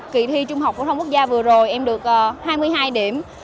kỳ thi trung học phổ thông quốc gia vừa rồi em được hai mươi hai điểm